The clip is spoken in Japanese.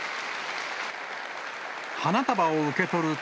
花束を受け取ると。